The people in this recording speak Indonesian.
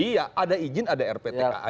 iya ada izin ada rptka